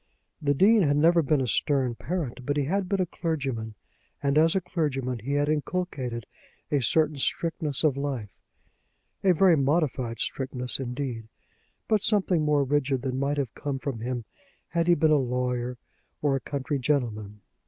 The Dean had never been a stern parent; but he had been a clergyman, and as a clergyman he had inculcated a certain strictness of life, a very modified strictness, indeed, but something more rigid than might have come from him had he been a lawyer or a country gentleman.